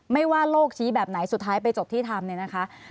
ว่าโลกชี้แบบไหนสุดท้ายไปจบที่ทำเนี่ยนะคะ